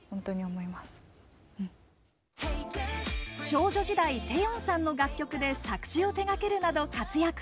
少女時代・テヨンさんの楽曲で作詞を手がけるなど活躍。